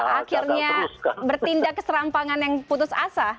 akhirnya bertindak keserampangan yang putus asa